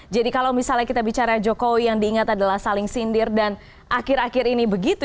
jadi kalau misalnya kita bicara jokowi yang diingat adalah saling sindir dan akhir akhir ini begitu